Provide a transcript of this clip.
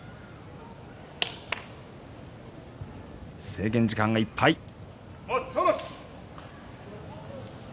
制限時間いっぱいです。